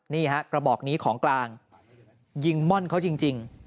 นี่ฮะกระบอกนี้ของกลางยิงม่อนเขาจริง